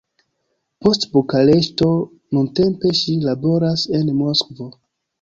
Post Bukareŝto, nuntempe ŝi laboras en Moskvo.